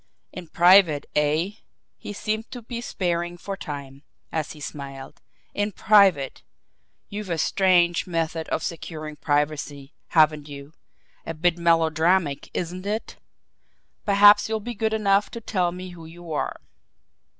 "In private, eh?" he seemed to be sparring for time, as he smiled. "In private! You've a strange method of securing privacy, haven't you? A bit melodramatic, isn't it? Perhaps you'll be good enough to tell me who you are?"